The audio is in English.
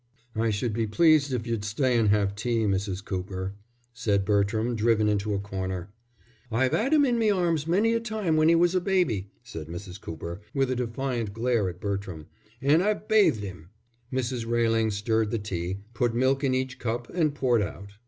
"I should be pleased if you'd stay and have tea, Mrs. Cooper," said Bertram, driven into a corner. "I've 'ad 'im in me arms many a time when 'e was a baby," said Mrs. Cooper, with a defiant glare at Bertram. "An' I've bath'd 'im." Mrs. Railing stirred the tea, put milk in each cup, and poured out.